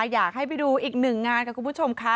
อยากให้ไปดูอีกหนึ่งงานค่ะคุณผู้ชมค่ะ